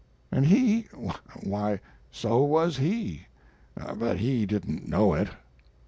And he why, so was he, but he didn't know it.